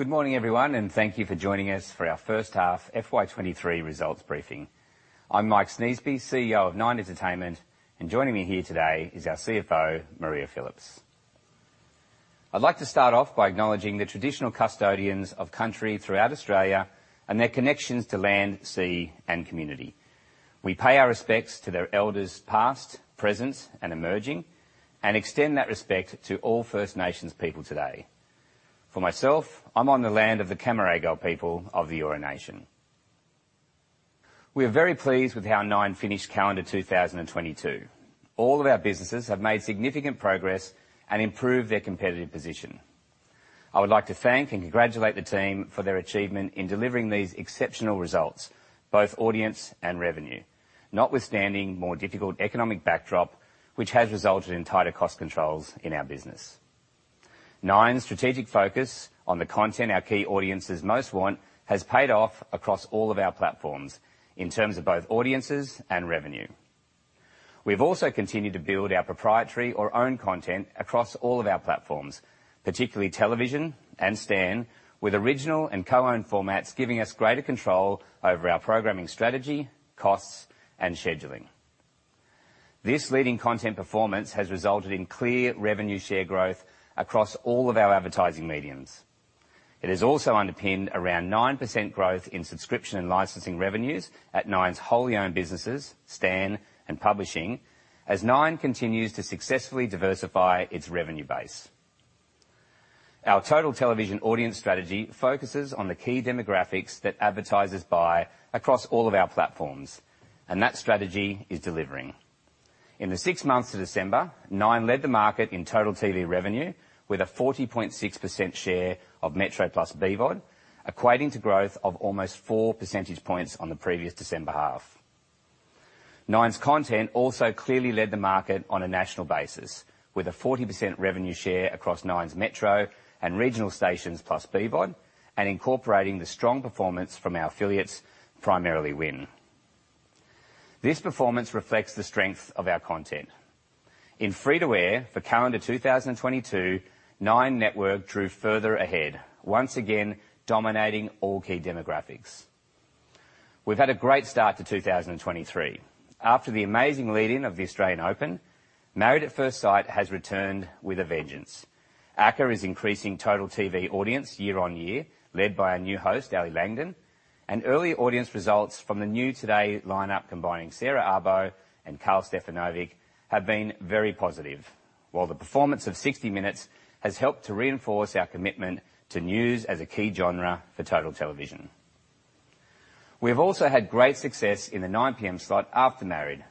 Good morning, everyone. Thank you for joining us for our first half FY 2023 Results Briefing. I'm Mike Sneesby, CEO of Nine Entertainment. Joining me here today is our CFO, Maria Phillips. I'd like to start off by acknowledging the traditional custodians of country throughout Australia and their connections to land, sea, and community. We pay our respects to their elders past, present, and emerging. Extend that respect to all First Nations people today. For myself, I'm on the land of the Cammeraygal people of the Eora Nation. We are very pleased with how Nine finished calendar 2022. All of our businesses have made significant progress and improved their competitive position. I would like to thank and congratulate the team for their achievement in delivering these exceptional results, both audience and revenue, notwithstanding more difficult economic backdrop, which has resulted in tighter cost controls in our business. Nine's strategic focus on the content our key audiences most want has paid off across all of our platforms in terms of both audiences and revenue. We've also continued to build our proprietary or own content across all of our platforms, particularly television and Stan, with original and co-owned formats giving us greater control over our programming strategy, costs, and scheduling. This leading content performance has resulted in clear revenue share growth across all of our advertising mediums. It has also underpinned around 9% growth in subscription and licensing revenues at Nine's wholly owned businesses, Stan and Publishing, as Nine continues to successfully diversify its revenue base. Our total television audience strategy focuses on the key demographics that advertisers buy across all of our platforms. That strategy is delivering. In the six months to December, Nine led the market in total TV revenue with a 40.6% share of metro + BVOD, equating to growth of almost 4 percentage points on the previous December half. Nine's content also clearly led the market on a national basis, with a 40% revenue share across Nine's metro and regional stations + BVOD, and incorporating the strong performance from our affiliates, primarily WIN. This performance reflects the strength of our content. In free-to-air for calendar 2022, Nine Network drew further ahead, once again dominating all key demographics. We've had a great start to 2023. After the amazing lead-in of the Australian Open, Married at First Sight has returned with a vengeance. OzTAM is increasing total TV audience year on year, led by our new host, Ally Langdon, and early audience results from the new Today lineup combining Sarah Abo and Karl Stefanovic have been very positive. While the performance of 60 Minutes has helped to reinforce our commitment to news as a key genre for total television. We have also had great success in the 9:00 P.M. slot after Married,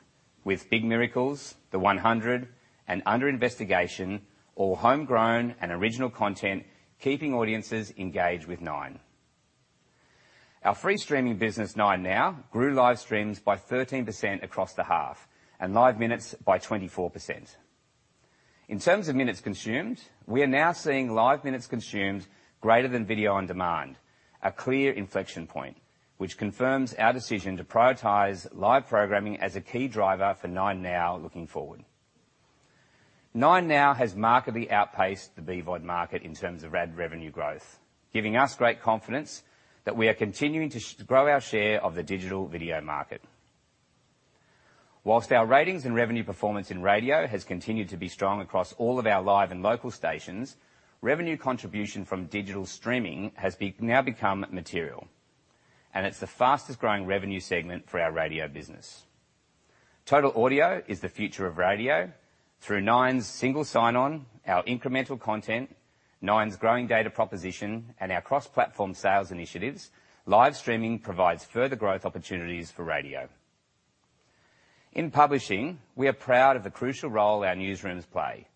with Big Miracles, The Hundred, and Under Investigation, all homegrown and original content, keeping audiences engaged with Nine. Our free streaming business, 9Now, grew live streams by 13% across the half and live minutes by 24%. In terms of minutes consumed, we are now seeing live minutes consumed greater than video on demand, a clear inflection point, which confirms our decision to prioritize live programming as a key driver for 9Now looking forward. 9Now has markedly outpaced the BVOD market in terms of ad revenue growth, giving us great confidence that we are continuing to grow our share of the digital video market. Whilst our ratings and revenue performance in radio has continued to be strong across all of our live and local stations, revenue contribution from digital streaming has now become material, and it's the fastest-growing revenue segment for our radio business. Total audio is the future of radio. Through Nine's single sign-on, our incremental content, Nine's growing data proposition, and our cross-platform sales initiatives, live streaming provides further growth opportunities for radio. In publishing, we are proud of the crucial role our newsrooms play,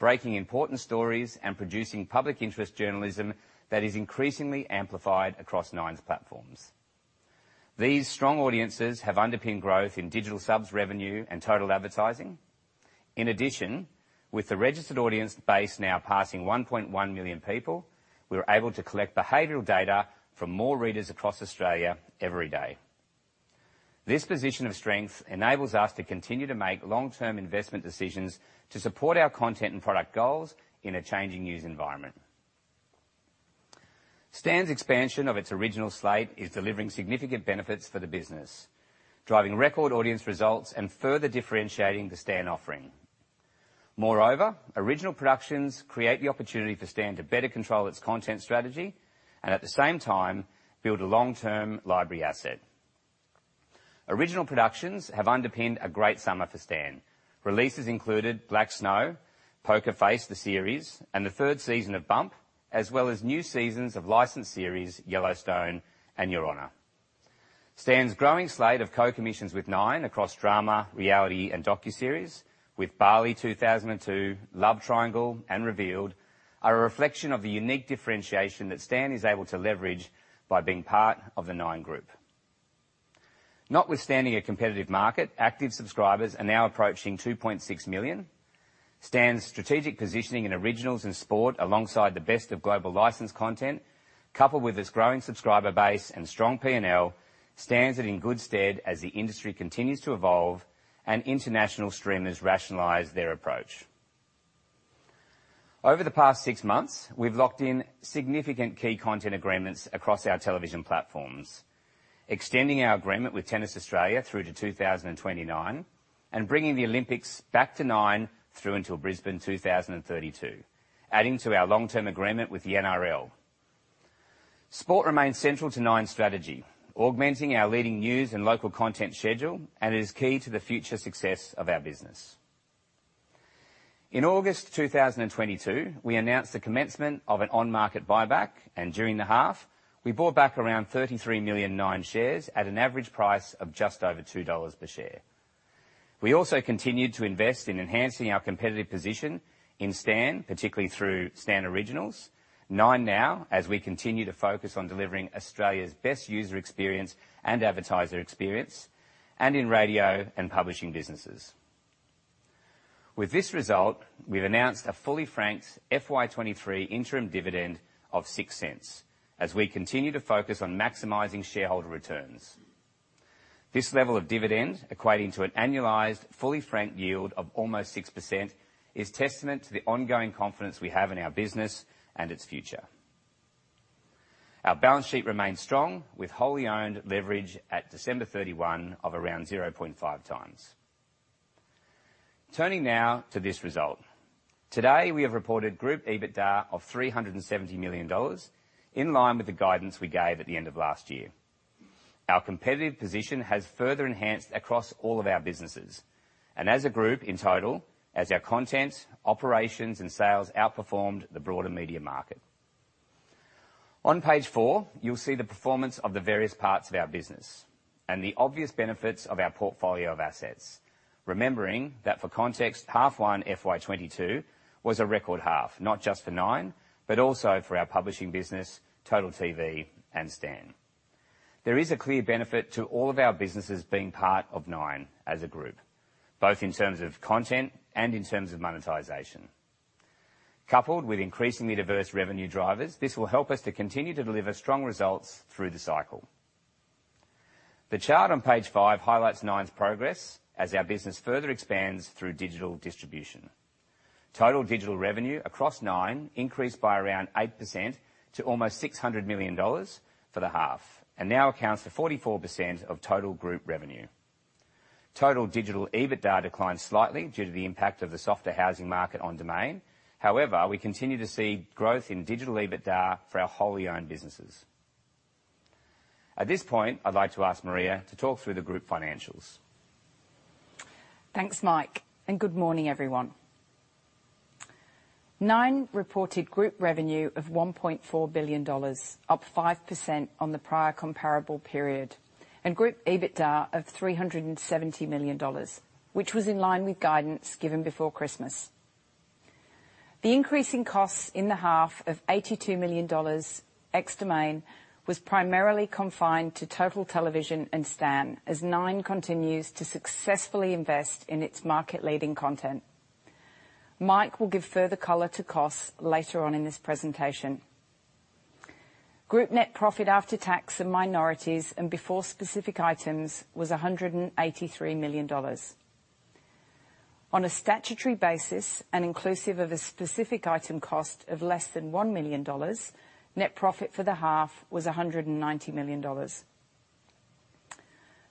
breaking important stories and producing public interest journalism that is increasingly amplified across Nine's platforms. These strong audiences have underpinned growth in digital subs revenue and total advertising. In addition, with the registered audience base now passing 1.1 million people, we are able to collect behavioral data from more readers across Australia every day. This position of strength enables us to continue to make long-term investment decisions to support our content and product goals in a changing news environment. Stan's expansion of its original slate is delivering significant benefits for the business, driving record audience results and further differentiating the Stan offering. Original productions create the opportunity for Stan to better control its content strategy and, at the same time, build a long-term library asset. Original productions have underpinned a great summer for Stan. Releases included Black Snow, Poker Face: The Series, and the third season of Bump, as well as new seasons of licensed series Yellowstone and Your Honor. Stan's growing slate of co-commissions with Nine across drama, reality, and docuseries with Bali 2002, Love Triangle, and Revealed are a reflection of the unique differentiation that Stan is able to leverage by being part of the Nine Group. Notwithstanding a competitive market, active subscribers are now approaching 2.6 million. Stan's strategic positioning in originals and sport alongside the best of global licensed content, coupled with its growing subscriber base and strong P&L stands it in good stead as the industry continues to evolve and international streamers rationalize their approach. Over the past six months, we've locked in significant key content agreements across our television platforms, extending our agreement with Tennis Australia through to 2029, and bringing the Olympics back to Nine through until Brisbane 2032, adding to our long-term agreement with the NRL. Sport remains central to Nine's strategy, augmenting our leading news and local content schedule, and it is key to the future success of our business. In August 2022, we announced the commencement of an on-market buyback, and during the half, we bought back around 33 million Nine shares at an average price of just over 2 dollars per share. We also continued to invest in enhancing our competitive position in Stan, particularly through Stan Originals. Nine now, as we continue to focus on delivering Australia's best user experience and advertiser experience, and in radio and publishing businesses. With this result, we've announced a fully franked FY 2023 interim dividend of 0.06 as we continue to focus on maximizing shareholder returns. This level of dividend, equating to an an annual fully frank yield of almost 6%, is testament to the ongoing confidence we have in our business and its future. Our balance sheet remains strong, with wholly owned leverage at December 31 of around 0.5 times. Turning now to this result. Today, we have reported group EBITDA of 370 million dollars, in line with the guidance we gave at the end of last year. Our competitive position has further enhanced across all of our businesses, as a group in total, as our content, operations, and sales outperformed the broader media market. On page four, you'll see the performance of the various parts of our business and the obvious benefits of our portfolio of assets. Remembering that for context, half one FY 2022 was a record half, not just for Nine, but also for our publishing business, TotalTV, and Stan. There is a clear benefit to all of our businesses being part of Nine as a group, both in terms of content and in terms of monetization. Coupled with increasingly diverse revenue drivers, this will help us to continue to deliver strong results through the cycle. The chart on page five highlights Nine's progress as our business further expands through digital distribution. Total digital revenue across Nine increased by around 8% to almost 600 million dollars for the half, and now accounts for 44% of total group revenue. Total digital EBITDA declined slightly due to the impact of the softer housing market on Domain. However, we continue to see growth in digital EBITDA for our wholly owned businesses. At this point, I'd like to ask Maria to talk through the group financials. Thanks, Mike. Good morning, everyone. Nine reported group revenue of 1.4 billion dollars, up 5% on the prior comparable period, and group EBITDA of 370 million dollars, which was in line with guidance given before Christmas. The increase in costs in the half of 82 million dollars, ex Domain, was primarily confined to Total Television and Stan, as Nine continues to successfully invest in its market-leading content. Mike will give further color to costs later on in this presentation. Group net profit after tax and minorities and before specific items was 183 million dollars. On a statutory basis and inclusive of a specific item cost of less than 1 million dollars, net profit for the half was 190 million dollars.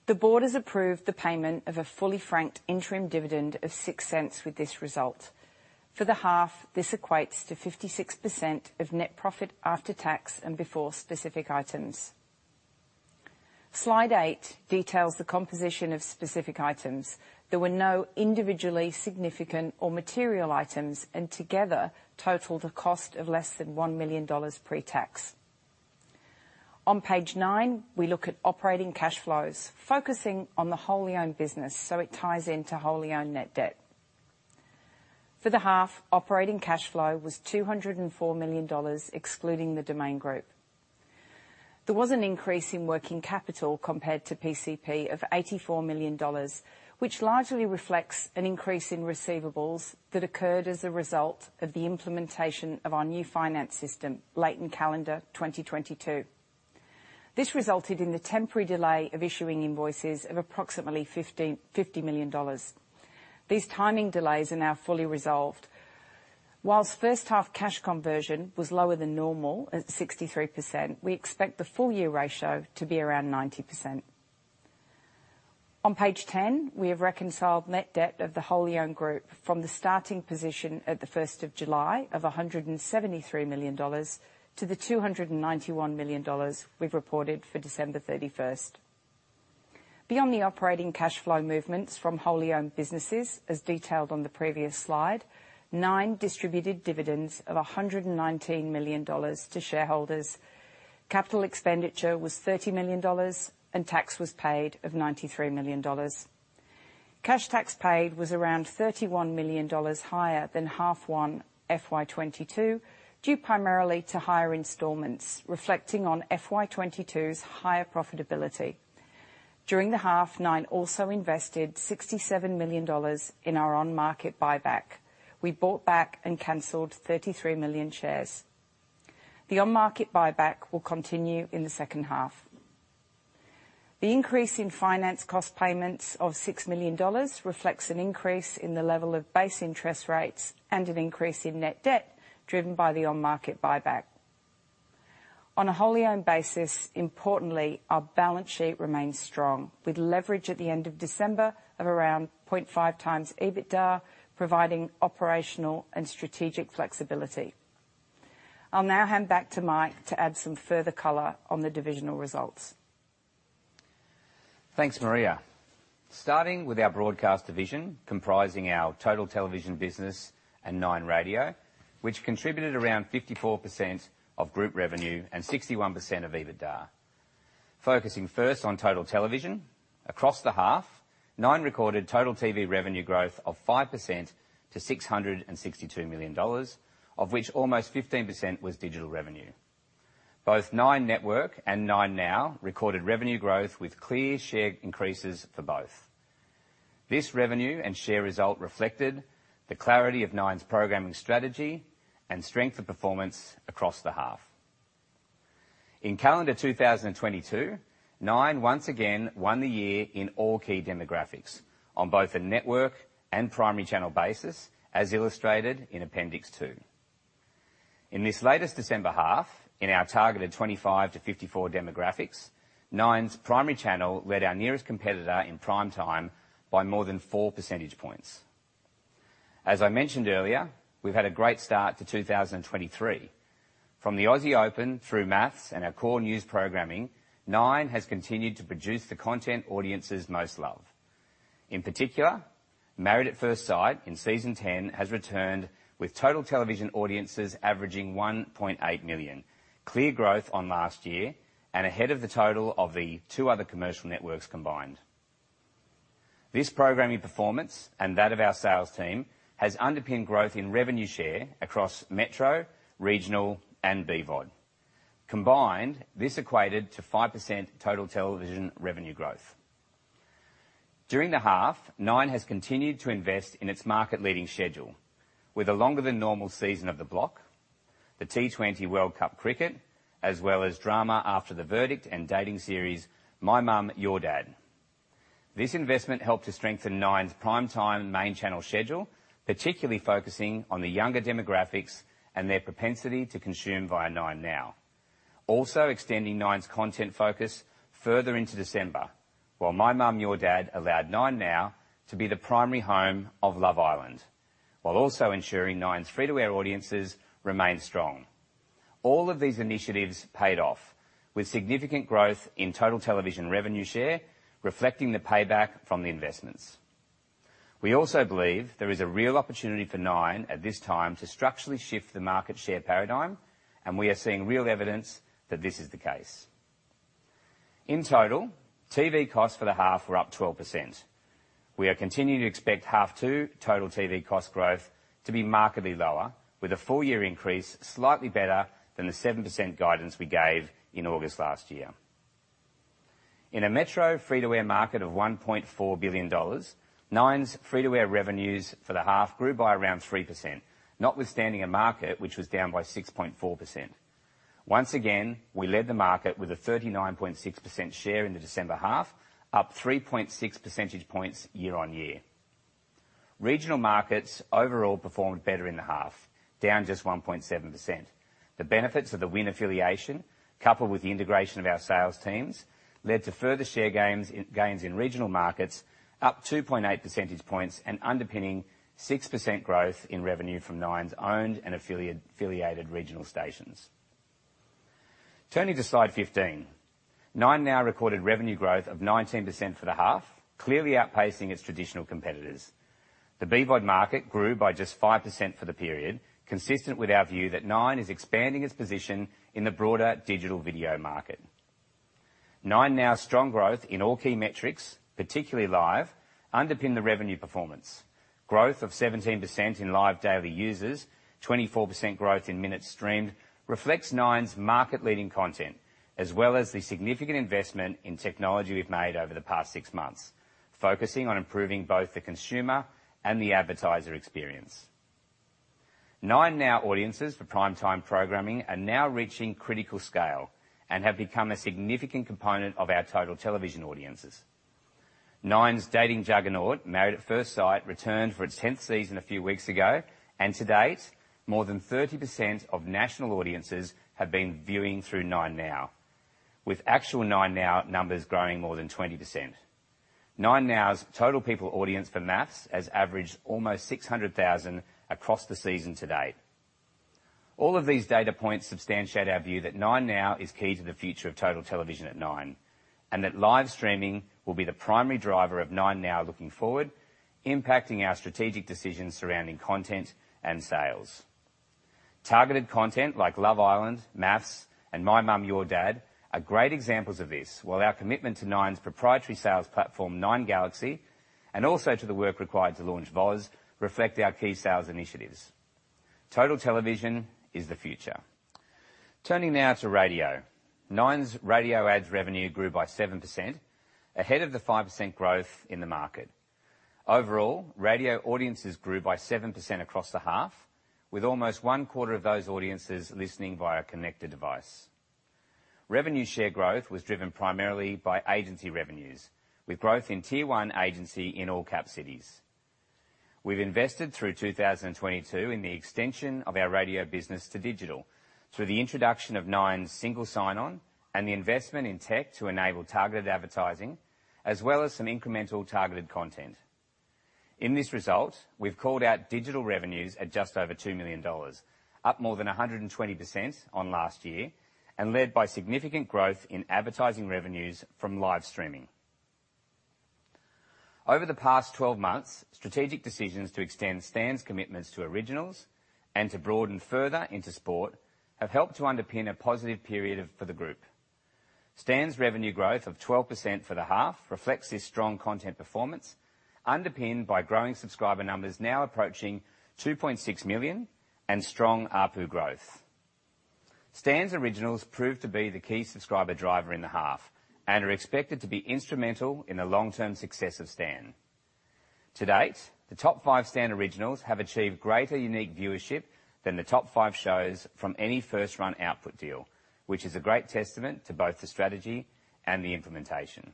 The board has approved the payment of a fully franked interim dividend of 0.06 with this result. For the half, this equates to 56% of net profit after tax and before specific items. Slide eight details the composition of specific items. There were no individually significant or material items, and together totaled a cost of less than AUD 1 million pre-tax. On page nine, we look at operating cash flows, focusing on the wholly owned business so it ties into wholly owned net debt. For the half, operating cash flow was 204 million dollars, excluding the Domain Group. There was an increase in working capital compared to PCP of 84 million dollars, which largely reflects an increase in receivables that occurred as a result of the implementation of our new finance system, late in calendar 2022. This resulted in the temporary delay of issuing invoices of approximately 50 million dollars. These timing delays are now fully resolved. Whilst first half cash conversion was lower than normal, at 63%, we expect the full year ratio to be around 90%. On page 10, we have reconciled net debt of the wholly owned group from the starting position at the first of July of 173 million dollars to the 291 million dollars we've reported for December 31st. Beyond the operating cash flow movements from wholly owned businesses, as detailed on the previous slide, Nine distributed dividends of 119 million dollars to shareholders. Capital expenditure was 30 million dollars, and tax was paid of 93 million dollars. Cash tax paid was around 31 million dollars higher than half one FY 2022, due primarily to higher installments reflecting on FY 2022's higher profitability. During the half, Nine also invested 67 million dollars in our on-market buyback. We bought back and canceled 33 million shares. The on-market buyback will continue in the second half. The increase in finance cost payments of 6 million dollars reflects an increase in the level of base interest rates and an increase in net debt driven by the on-market buyback. On a wholly owned basis, importantly, our balance sheet remains strong with leverage at the end of December of around 0.5 times EBITDA, providing operational and strategic flexibility. I'll now hand back to Mike to add some further color on the divisional results. Thanks, Maria. Starting with our broadcast division, comprising our total television business and Nine Radio, which contributed around 54% of group revenue and 61% of EBITDA. Focusing first on total television. Across the half, Nine recorded total TV revenue growth of 5% to 662 million dollars, of which almost 15% was digital revenue. Both Nine Network and 9Now recorded revenue growth with clear share increases for both. This revenue and share result reflected the clarity of Nine's programming strategy and strength of performance across the half. In calendar 2022, Nine once again won the year in all key demographics on both the network and primary channel basis, as illustrated in appendix two. In this latest December half, in our targeted 25-54 demographics, Nine's primary channel led our nearest competitor in prime time by more than 4 percentage points. As I mentioned earlier, we've had a great start to 2023. From the Australian Open through MAFS and our core news programming, Nine has continued to produce the content audiences most love. In particular, Married at First Sight in Season 10 has returned with total television audiences averaging 1.8 million. Clear growth on last year and ahead of the total of the two other commercial networks combined. This programming performance, and that of our sales team, has underpinned growth in revenue share across metro, regional, and BVOD. Combined, this equated to 5% total television revenue growth. During the half, Nine has continued to invest in its market-leading schedule with a longer than normal season of The Block, the T20 World Cup Cricket, as well as drama After the Verdict and dating series, My Mum, Your Dad. This investment helped to strengthen Nine's primetime main channel schedule, particularly focusing on the younger demographics and their propensity to consume via 9Now. Extending Nine's content focus further into December, while My Mum, Your Dad allowed 9Now to be the primary home of Love Island, while also ensuring Nine's free-to-air audiences remained strong. All of these initiatives paid off with significant growth in total television revenue share, reflecting the payback from the investments. We believe there is a real opportunity for Nine at this time to structurally shift the market share paradigm. We are seeing real evidence that this is the case. In total, TV costs for the half were up 12%. We are continuing to expect half two total TV cost growth to be markedly lower with a full year increase, slightly better than the 7% guidance we gave in August last year. In a metro free-to-air market of 1.4 billion dollars, Nine's free-to-air revenues for the half grew by around 3%, notwithstanding a market which was down by 6.4%. We led the market with a 39.6% share in the December half, up 3.6 percentage points year-on-year. Regional markets overall performed better in the half, down just 1.7%. The benefits of the WIN affiliation, coupled with the integration of our sales teams, led to further share gains in regional markets, up 2.8 percentage points and underpinning 6% growth in revenue from Nine's owned and affiliated regional stations. Turning to slide 15. 9Now recorded revenue growth of 19% for the half, clearly outpacing its traditional competitors. The BVOD market grew by just 5% for the period, consistent with our view that Nine is expanding its position in the broader digital video market. 9Now strong growth in all key metrics, particularly live, underpin the revenue performance. Growth of 17% in live daily users, 24% growth in minutes streamed, reflects Nine's market-leading content, as well as the significant investment in technology we've made over the past 6 months, focusing on improving both the consumer and the advertiser experience. 9Now audiences for primetime programming are now reaching critical scale and have become a significant component of our total television audiences. Nine's dating juggernaut, Married at First Sight, returned for its 10th season a few weeks ago, and to date, more than 30% of national audiences have been viewing through 9Now, with actual 9Now numbers growing more than 20%. 9Now's total people audience for MAFS has averaged almost 600,000 across the season to date. All of these data points substantiate our view that 9Now is key to the future of total television at Nine, and that live streaming will be the primary driver of 9Now looking forward, impacting our strategic decisions surrounding content and sales. Targeted content like Love Island, MAFS, and My Mum, Your Dad are great examples of this, while our commitment to Nine's proprietary sales platform, Nine Galaxy, and also to the work required to launch VOZ, reflect our key sales initiatives. Total television is the future. Turning now to radio. Nine's radio ads revenue grew by 7%, ahead of the 5% growth in the market. Overall, radio audiences grew by 7% across the half, with almost one quarter of those audiences listening via a connected device. Revenue share growth was driven primarily by agency revenues, with growth in tier one agency in all cap cities. We've invested through 2022 in the extension of our radio business to digital through the introduction of Nine's single sign-on and the investment in tech to enable targeted advertising, as well as some incremental targeted content. In this result, we've called out digital revenues at just over 2 million dollars, up more than 120% on last year, and led by significant growth in advertising revenues from live streaming. Over the past 12 months, strategic decisions to extend Stan's commitments to originals and to broaden further into sport have helped to underpin a positive period for the group. Stan's revenue growth of 12% for the half reflects this strong content performance, underpinned by growing subscriber numbers now approaching 2.6 million and strong ARPU growth. Stan's originals proved to be the key subscriber driver in the half and are expected to be instrumental in the long-term success of Stan. To date, the top five Stan Originals have achieved greater unique viewership than the top five shows from any first run output deal, which is a great testament to both the strategy and the implementation.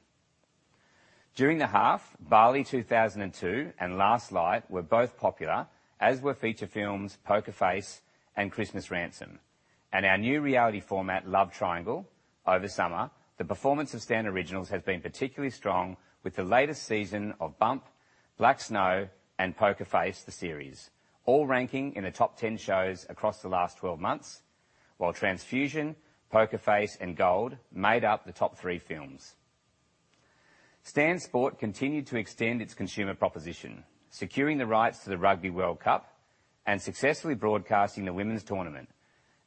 During the half, Bali 2002 and Last Light were both popular, as were feature films Poker Face and Christmas Ransom, and our new reality format, Love Triangle. Over summer, the performance of Stan Originals has been particularly strong with the latest season of Bump, Black Snow, and Poker Face: The Series, all ranking in the top 10 shows across the last 12 months, while Transfusion, Poker Face, and Gold made up the top three films. Stan Sport continued to extend its consumer proposition, securing the rights to the Rugby World Cup and successfully broadcasting the women's tournament,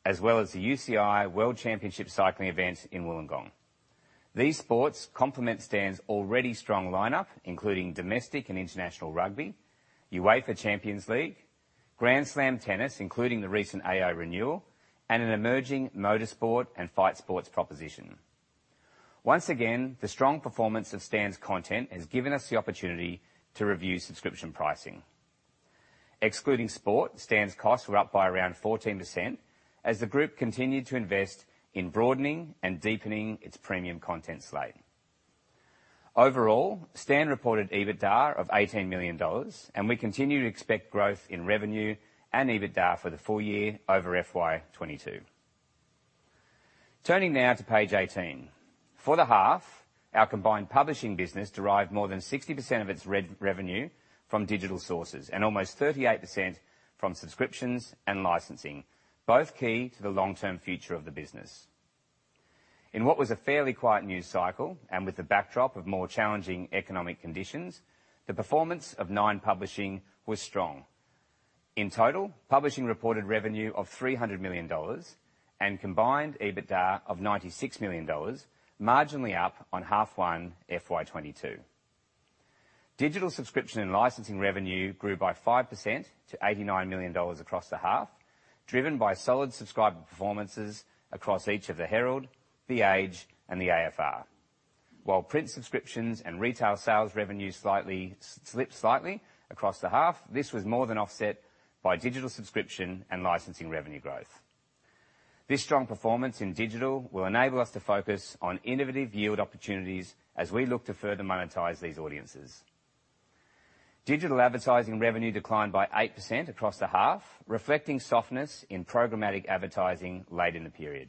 as well as the UCI World Championships cycling event in Wollongong. These sports complement Stan's already strong lineup, including domestic and international rugby, UEFA Champions League, Grand Slam tennis, including the recent AO renewal, and an emerging motorsport and fight sports proposition. Once again, the strong performance of Stan's content has given us the opportunity to review subscription pricing. Excluding sport, Stan's costs were up by around 14% as the group continued to invest in broadening and deepening its premium content slate. Overall, Stan reported EBITDA of 18 million dollars, and we continue to expect growth in revenue and EBITDA for the full year over FY 2022. Turning now to page 18. For the half, our combined publishing business derived more than 60% of its re-revenue from digital sources, and almost 38% from subscriptions and licensing, both key to the long-term future of the business. In what was a fairly quiet news cycle, and with the backdrop of more challenging economic conditions, the performance of Nine Publishing was strong. In total, publishing reported revenue of 300 million dollars and combined EBITDA of 96 million dollars, marginally up on half one FY 2022. Digital subscription and licensing revenue grew by 5% to 89 million dollars across the half, driven by solid subscriber performances across each of The Herald, The Age and The AFR. While print subscriptions and retail sales revenues slipped slightly across the half, this was more than offset by digital subscription and licensing revenue growth. This strong performance in digital will enable us to focus on innovative yield opportunities as we look to further monetize these audiences. Digital advertising revenue declined by 8% across the half, reflecting softness in programmatic advertising late in the period.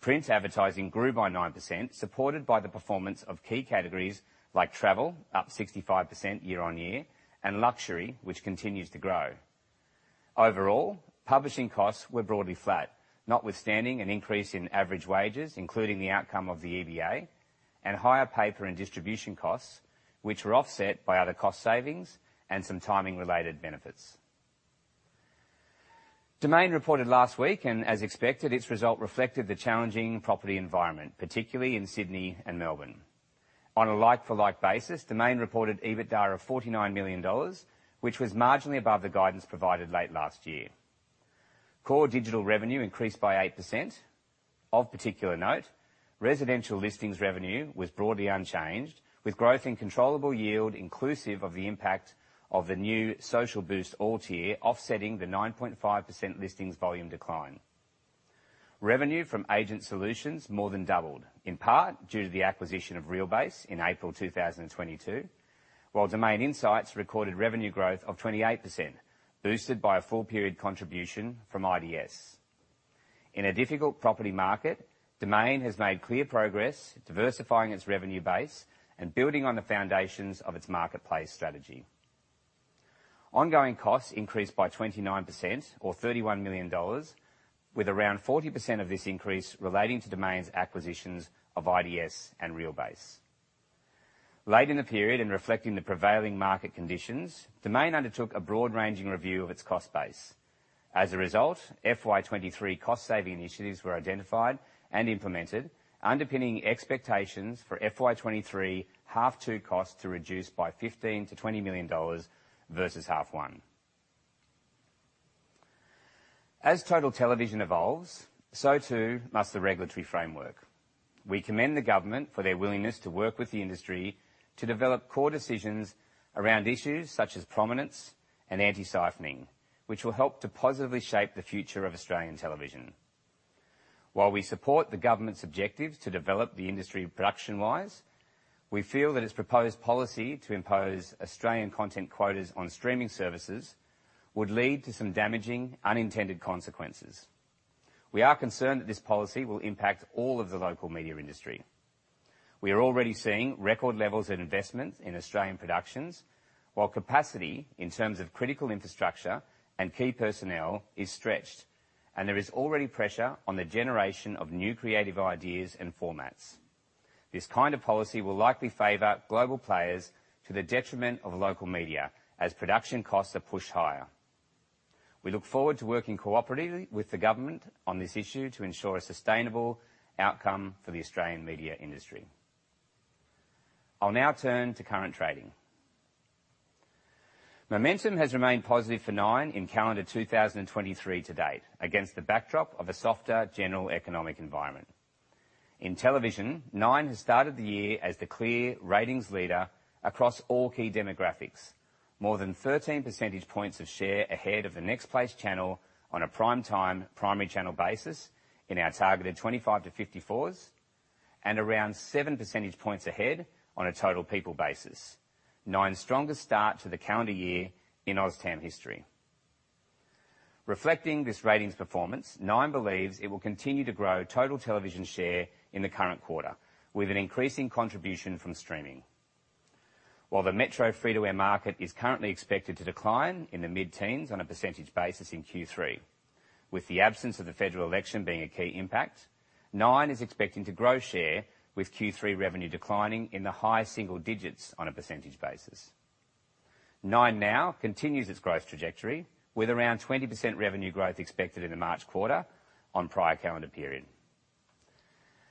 Print advertising grew by 9%, supported by the performance of key categories like travel, up 65% year-on-year, and luxury, which continues to grow. Overall, publishing costs were broadly flat, notwithstanding an increase in average wages, including the outcome of the EBA and higher paper and distribution costs, which were offset by other cost savings and some timing-related benefits. Domain reported last week, and as expected, its result reflected the challenging property environment, particularly in Sydney and Melbourne. On a like-for-like basis, Domain reported EBITDA of 49 million dollars, which was marginally above the guidance provided late last year. Core digital revenue increased by 8%. Of particular note, residential listings revenue was broadly unchanged, with growth in controllable yield inclusive of the impact of the new Social Boost All tier offsetting the 9.5% listings volume decline. Revenue from agent solutions more than doubled, in part due to the launch VOZ, in April 2022. While Domain Insights recorded revenue growth of 28%, boosted by a full-period contribution from IDS. In a difficult property market, Domain has made clear progress diversifying its revenue base and building on the foundations of its marketplace strategy. Ongoing costs increased by 29% or 31 million dollars, with around 40% of this increase relating to Domain's acquisitions of IDS and RealBase. Late in the period and reflecting the prevailing market conditions, Domain undertook a broad-ranging review of its cost base. As a result, FY 2023 cost-saving initiatives were identified and implemented, underpinning expectations for FY 2023 half two costs to reduce by 15 million-20 million dollars versus half one. As total television evolves, so too must the regulatory framework. We commend the government for their willingness to work with the industry to develop core decisions around issues such as prominence and anti-siphoning, which will help to positively shape the future of Australian television. While we support the government's objectives to develop the industry production-wise, we feel that its proposed policy to impose Australian content quotas on streaming services would lead to some damaging, unintended consequences. We are concerned that this policy will impact all of the local media industry. We are already seeing record levels in investment in Australian productions while capacity in terms of critical infrastructure and key personnel is stretched, and there is already pressure on the generation of new creative ideas and formats. This kind of policy will likely favor global players to the detriment of local media as production costs are pushed higher. We look forward to working cooperatively with the government on this issue to ensure a sustainable outcome for the Australian media industry. I'll now turn to current trading. Momentum has remained positive for Nine in calendar 2023 to date against the backdrop of a softer general economic environment. In television, Nine has started the year as the clear ratings leader across all key demographics. More than 13 percentage points of share ahead of the next place channel on a prime-time primary channel basis in our targeted 25-54s, and around 7 percentage points ahead on a total people basis. Nine's strongest start to the calendar year in OzTam history. Reflecting this ratings performance, Nine believes it will continue to grow total television share in the current quarter with an increasing contribution from streaming. While the metro free-to-air market is currently expected to decline in the mid-teens on percentage basis in Q3, with the absence of the federal election being a key impact, Nine is expecting to grow share with Q3 revenue declining in the high single-digits on percentage basis. Nine now continues its growth trajectory with around 20% revenue growth expected in the March quarter on prior calendar period.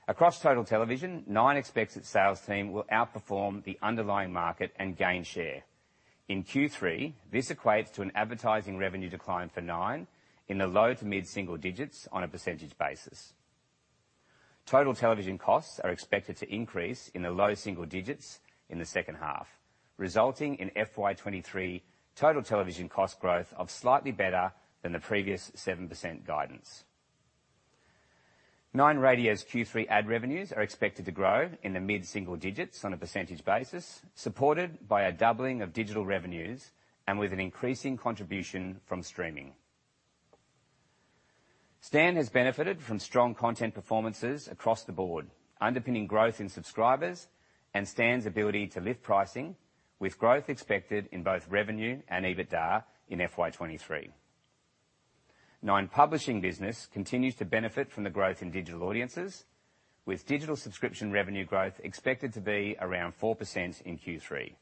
Across total television, Nine expects its sales team will outperform the underlying market and gain share. In Q3, this equates to an advertising revenue decline for Nine in the low to mid-single-digits on percentage basis. Total television costs are expected to increase in the low single-digits in the second half, resulting in FY 2023 total television cost growth of slightly better than the previous 7% guidance. Nine Radio's Q3 ad revenues are expected to grow in the mid-single digits on a percentage basis, supported by a doubling of digital revenues and with an increasing contribution from streaming. Stan has benefited from strong content performances across the board, underpinning growth in subscribers and Stan's ability to lift pricing with growth expected in both revenue and EBITDA in FY 2023. Nine Publishing business continues to benefit from the growth in digital audiences, with digital subscription revenue growth expected to be around 4% in Q3.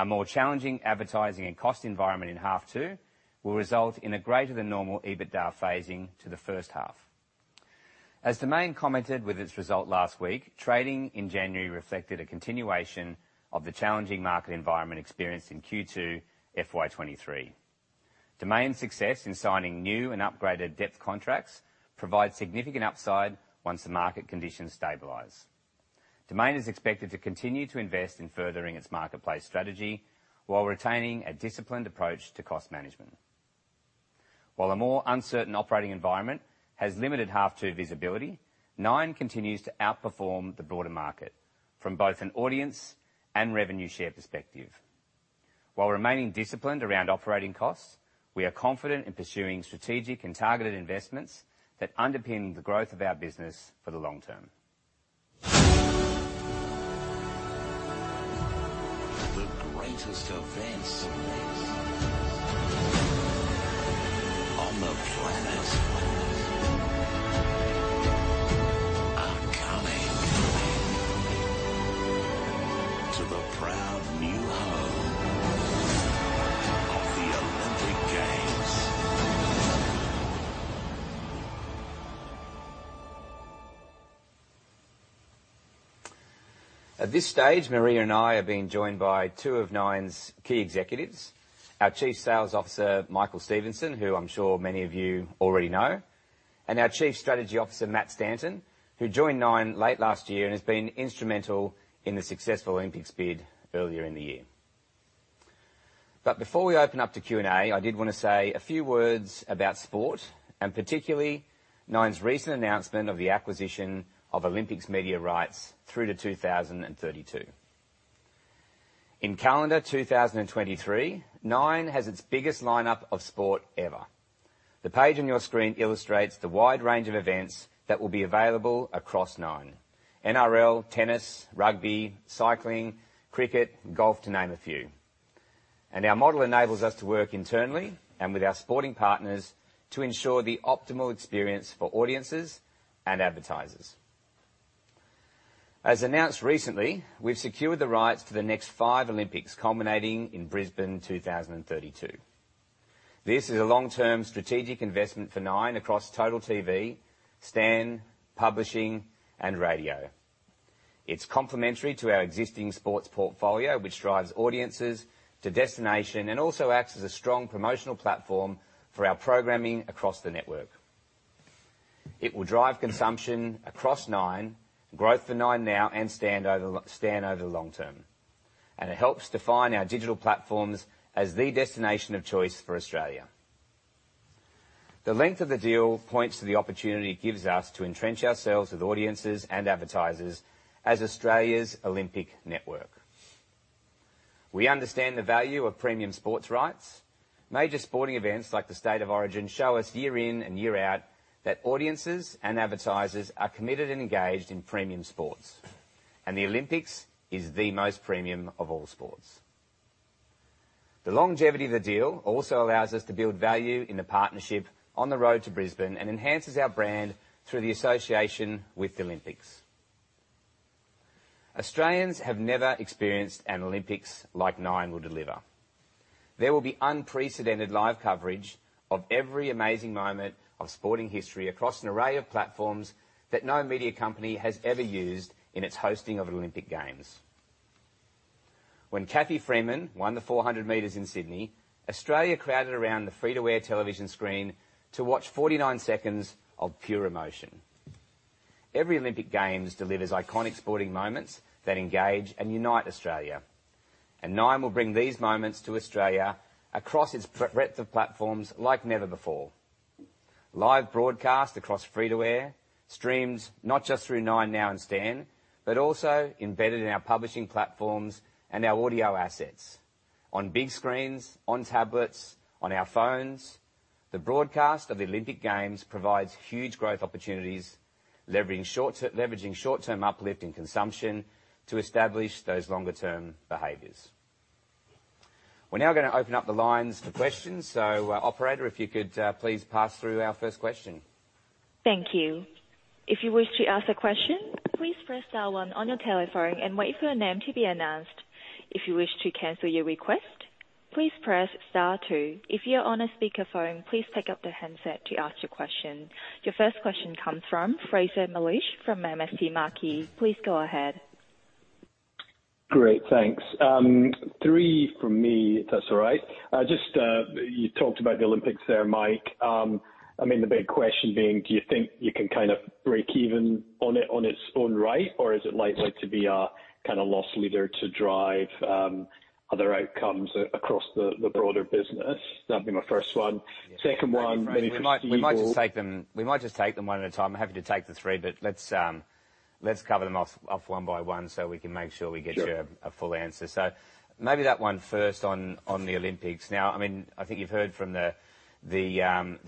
A more challenging advertising and cost environment in half two will result in a greater than normal EBITDA phasing to the first half. As Domain commented with its result last week, trading in January reflected a continuation of the challenging market environment experienced in Q2 FY 2023. Domain's success in signing new and upgraded depth contracts provides significant upside once the market conditions stabilize. Domain is expected to continue to invest in furthering its marketplace strategy while retaining a disciplined approach to cost management. While a more uncertain operating environment has limited half two visibility, Nine continues to outperform the broader market from both an audience and revenue share perspective. While remaining disciplined around operating costs, we are confident in pursuing strategic and targeted investments that underpin the growth of our business for the long term. The greatest events on the planet are coming to the proud new home of the Olympic Games. At this stage, Maria and I are being joined by two of Nine's key executives, our Chief Sales Officer, Michael Stephenson, who I'm sure many of you already know, and our Chief Strategy Officer, Matt Stanton, who joined Nine late last year and has been instrumental in the successful Olympics bid earlier in the year. Before we open up to Q&A, I did wanna say a few words about sport, and particularly Nine's recent announcement of the acquisition of Olympics media rights through to 2032. In calendar 2023, Nine has its biggest lineup of sport ever. The page on your screen illustrates the wide range of events that will be available across Nine. NRL, tennis, rugby, cycling, cricket, golf, to name a few. Our model enables us to work internally and with our sporting partners to ensure the optimal experience for audiences and advertisers. As announced recently, we've secured the rights to the next five Olympics, culminating in Brisbane 2032. This is a long-term strategic investment for Nine across total TV, Stan, publishing, and radio. It's complementary to our existing sports portfolio, which drives audiences to destination and also acts as a strong promotional platform for our programming across the network. It will drive consumption across Nine, growth for Nine now and stand over the long term. It helps define our digital platforms as the destination of choice for Australia. The length of the deal points to the opportunity it gives us to entrench ourselves with audiences and advertisers as Australia's Olympic network. We understand the value of premium sports rights. Major sporting events like the State of Origin show us year in and year out that audiences and advertisers are committed and engaged in premium sports. The Olympics is the most premium of all sports. The longevity of the deal also allows us to build value in the partnership on the road to Brisbane and enhances our brand through the association with the Olympics. Australians have never experienced an Olympics like Nine will deliver. There will be unprecedented live coverage of every amazing moment of sporting history across an array of platforms that no media company has ever used in its hosting of an Olympic Games. When Cathy Freeman won the 400 meters in Sydney, Australia crowded around the free-to-air television screen to watch 49 seconds of pure emotion. Every Olympic Games delivers iconic sporting moments that engage and unite Australia. Nine will bring these moments to Australia across its breadth of platforms like never before. Live broadcast across free-to-air, streams, not just through 9Now and Stan, but also embedded in our publishing platforms and our audio assets. On big screens, on tablets, on our phones, the broadcast of the Olympic Games provides huge growth opportunities, leveraging short-term uplift in consumption to establish those longer-term behaviors. We're now going to open up the lines for questions. Operator, if you could please pass through our first question. Thank you. If you wish to ask a question, please press star one on your telephone and wait for your name to be announced. If you wish to cancel your request, please press star two. If you're on a speakerphone, please pick up the handset to ask your question. Your first question comes from Fraser McLeish from MST Marquee. Please go ahead. Great, thanks. Three from me, if that's all right. Just, you talked about the Olympics there, Mike. I mean, the big question being: Do you think you can kind of break even on it on its own right? Or is it likely to be a kind of loss leader to drive other outcomes across the broader business? That'd be my first one. Yeah. Second one, maybe for Steve-O. We might just take them, we might just take them one at a time. Happy to take the three, but let's cover them off one by one, so we can make sure we get. Sure. A full answer. Maybe that one first on the Olympics. I mean, I think you've heard from the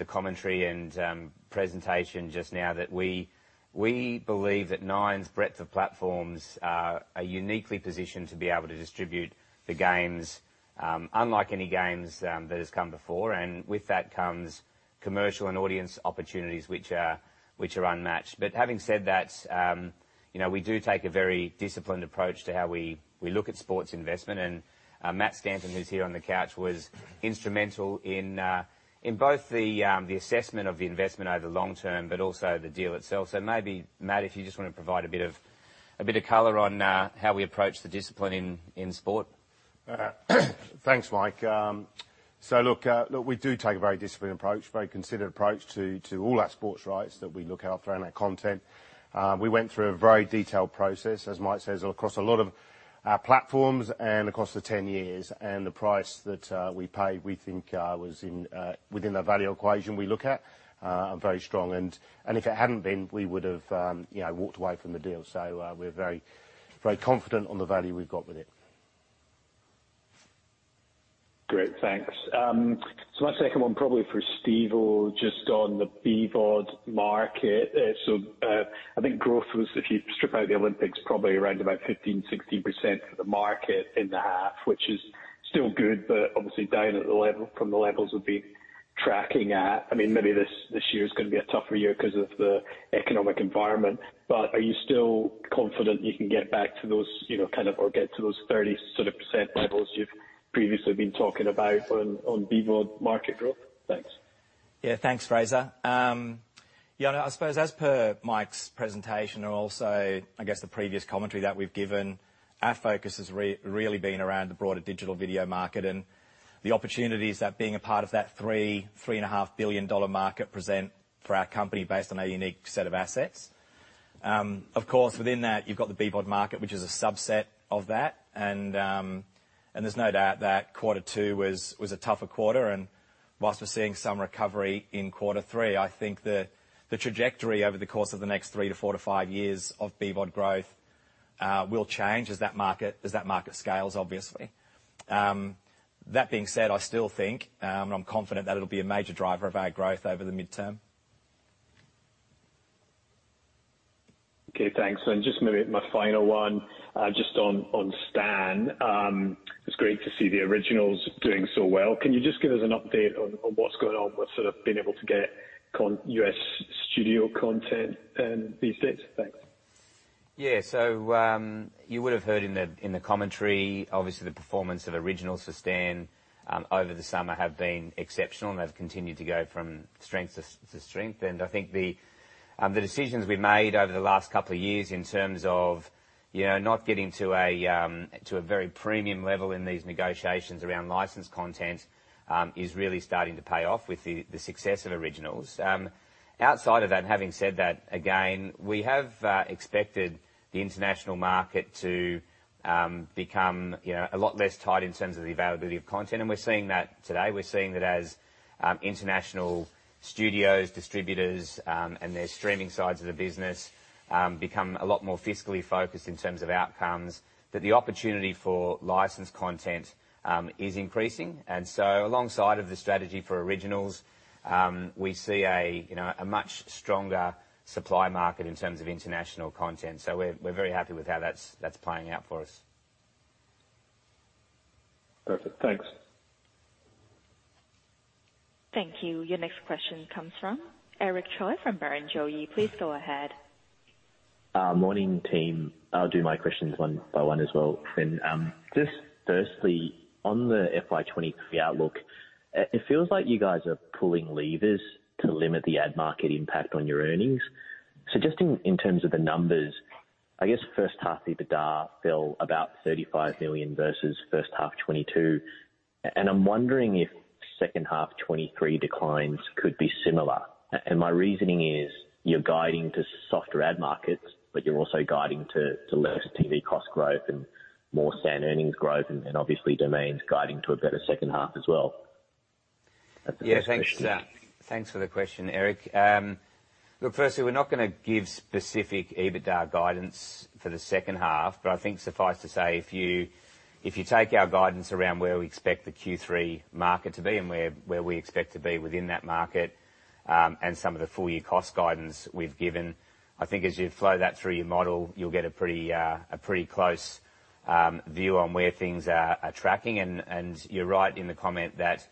commentary and presentation just now that we believe that Nine's breadth of platforms are uniquely positioned to be able to distribute the games unlike any games that has come before. With that comes commercial and audience opportunities which are unmatched. Having said that, you know, we do take a very disciplined approach to how we look at sports investment. Matt Stanton, who's here on the couch, was instrumental in both the assessment of the investment over the long term, but also the deal itself. Maybe, Matt, if you just wanna provide a bit of color on how we approach the discipline in sport. Thanks, Mike. We do take a very disciplined approach, very considered approach to all our sports rights that we look out for and that content. We went through a very detailed process, as Mike says, across a lot of our platforms and across the 10 years. The price that we paid, we think, was within the value equation we look at and very strong. If it hadn't been, we would've, you know, walked away from the deal. We're very, very confident on the value we've got with it. Great, thanks. My second one probably for Steve-O, just on the BVOD market. I think growth was, if you strip out the Olympics, probably around about 15%, 60% for the market in the half. Which is still good, but obviously down at the level, from the levels we've been tracking at. I mean, maybe this year is gonna be a tougher year 'cause of the economic environment. Are you still confident you can get back to those, you know, kind of, or get to those 30% levels you've previously been talking about on BVOD market growth? Thanks. Yeah. Thanks, Fraser. You know, I suppose as per Mike's presentation and also, I guess, the previous commentary that we've given, our focus has really been around the broader digital video market and the opportunities that being a part of that 3.5 billion dollar market present for our company based on our unique set of assets. Of course, within that, you've got the BVOD market, which is a subset of that. There's no doubt that quarter two was a tougher quarter. Whilst we're seeing some recovery in quarter three, I think the trajectory over the course of the next three to four to five years of BVOD growth will change as that market scales, obviously. That being said, I still think, and I'm confident that it'll be a major driver of our growth over the midterm. Okay, thanks. Just maybe my final one, just on Stan. It's great to see the originals doing so well. Can you just give us an update on what's going on? What's sort of been able to get U.S. studio content and these things? Thanks. You would've heard in the, it in the commentary, obviously, the performance of originals for Stan, over the summer have been exceptional, and they've continued to go from strength to strength. I think the decisions we made over the last couple of years in terms of, you know, not getting to a very premium level in these negotiations around licensed content, is really starting to pay off with the success of originals. Outside of that, having said that, again, we have expected the international market to become, you know, a lot less tight in terms of the availability of content, and we're seeing that today. We're seeing that as international studios, distributors, and their streaming sides of the business, become a lot more fiscally focused in terms of outcomes, that the opportunity for licensed content, is increasing. Alongside of the strategy for originals, we see a, you know, a much stronger supply market in terms of international content. We're, we're very happy with how that's playing out for us. Perfect. Thanks. Thank you. Your next question comes from Eric Choi from Barrenjoey. Please go ahead. Morning, team. I'll do my questions one by one as well. Just firstly, on the FY 2023 outlook, it feels like you guys are pulling levers to limit the ad market impact on your earnings. Just in terms of the numbers, I guess first half EBITDA fell about $35 million versus first half 2022, and I'm wondering if second half 2023 declines could be similar. My reasoning is you're guiding to softer ad markets, but you're also guiding to lower TV cost growth and more Stan earnings growth and obviously Domain's guiding to a better second half as well. That's the first question. Yeah, thanks for the question, Eric. Look, firstly, we're not gonna give specific EBITDA guidance for the second half, but I think suffice to say if you take our guidance around where we expect the Q3 market to be and where we expect to be within that market, and some of the full year cost guidance we've given, I think as you flow that through your model, you'll get a pretty close view on where things are tracking. You're right in the comment that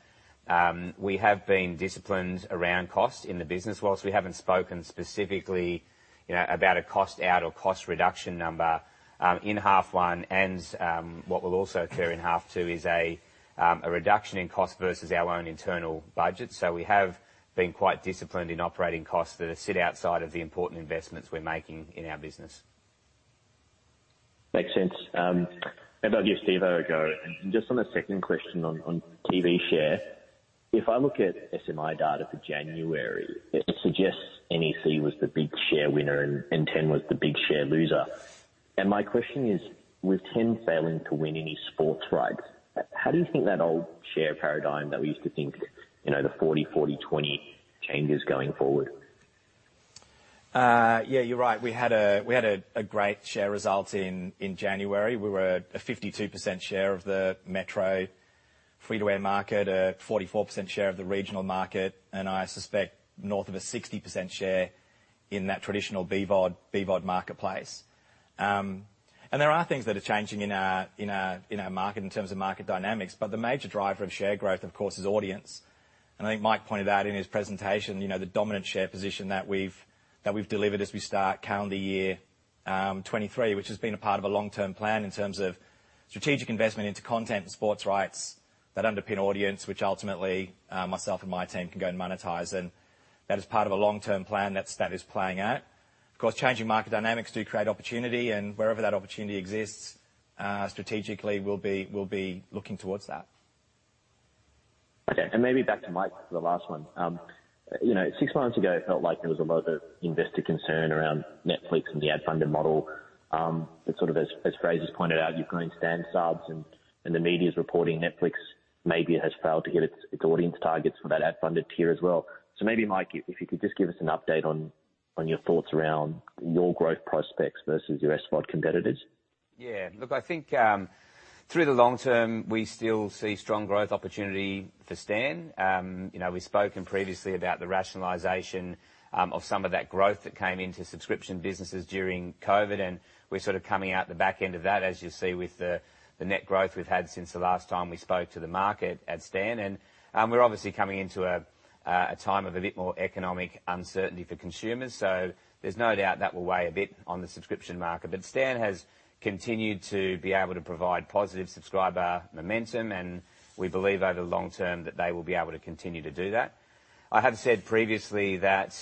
we have been disciplined around cost in the business. Whilst we haven't spoken specifically, you know, about a cost out or cost reduction number in half one and what will also occur in half two is a reduction in cost versus our own internal budget. We have been quite disciplined in operating costs that sit outside of the important investments we're making in our business. Makes sense. Maybe I'll give Steve-O a go. Just on the second question on TV share. If I look at SMI data for January, it suggests NEC was the big share winner and Ten was the big share loser. My question is, with Ten failing to win any sports rights, how do you think that old share paradigm that we used to think, you know, the 40/40/20 changes going forward? Yeah, you're right. We had a great share result in January. We were a 52% share of the metro freeway market, a 44% share of the regional market, and I suspect north of a 60% share in that traditional BVOD marketplace. There are things that are changing in our market in terms of market dynamics, but the major driver of share growth, of course, is audience. I think Mike pointed out in his presentation, you know, the dominant share position that we've delivered as we start calendar year 2023, which has been a part of a long-term plan in terms of strategic investment into content and sports rights that underpin audience, which ultimately, myself and my team can go and monetize. That is part of a long-term plan that is playing out. Of course, changing market dynamics do create opportunity. Wherever that opportunity exists, strategically we'll be looking towards that. Okay, maybe back to Mike for the last one. You know, six months ago, it felt like there was a lot of investor concern around Netflix and the ad-funded model. Sort of as Fraser McLeish's pointed out, you've grown Stan subs and the media's reporting Netflix maybe has failed to get its audience targets for that ad-funded tier as well. Maybe, Mike, if you could just give us an update on your thoughts around your growth prospects versus your SVOD competitors. Yeah. Look, I think, through the long term, we still see strong growth opportunity for Stan. You know, we've spoken previously about the rationalization of some of that growth that came into subscription businesses during COVID, and we're sort of coming out the back end of that, as you'll see with the net growth we've had since the last time we spoke to the market at Stan. We're obviously coming into a time of a bit more economic uncertainty for consumers, so there's no doubt that will weigh a bit on the subscription market. Stan has continued to be able to provide positive subscriber momentum, and we believe over the long term that they will be able to continue to do that. I have said previously that